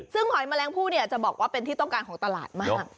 ซึ่งหอยแมลงผู้เนี่ยจะบอกว่าเป็นที่ต้องการของตลาดมาก